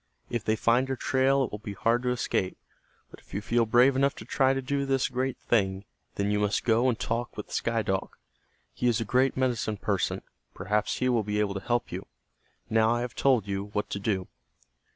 If they find your trail it will be hard to escape. But if you feel brave enough to try to do this great thing, then you must go and talk with Sky Dog. He is a great medicine person, perhaps he will be able to help you. Now I have told you what to do."